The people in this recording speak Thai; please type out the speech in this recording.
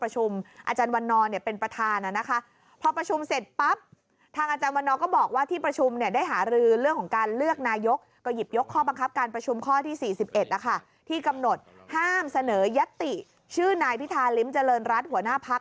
ห้ามเสนอยัตติชื่อนายพิธาลิ้มเจริญรัฐหัวหน้าพัก